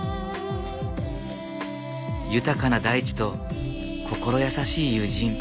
豊かな大地と心優しい友人。